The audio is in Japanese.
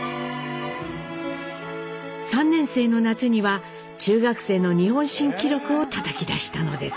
３年生の夏には中学生の日本新記録をたたき出したのです。